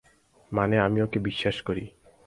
মানে, আমি ওকে বিশ্বাস করি।